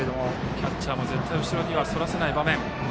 キャッチャーも絶対後ろにはそらせない場面。